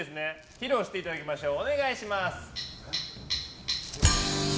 披露していただきましょう。